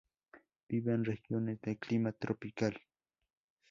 Vive en regiones de clima tropical.